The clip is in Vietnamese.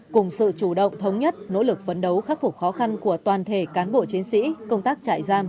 cùng sự chủ động thống nhất nỗ lực phấn đấu khắc phục khó khăn của toàn thể cán bộ chiến sĩ công tác trại giam